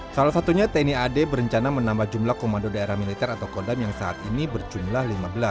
salah satunya tni ad berencana menambah jumlah komando daerah militer atau kodam yang saat ini berjumlah lima belas